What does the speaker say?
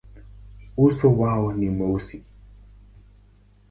Uso wao ni mweusi.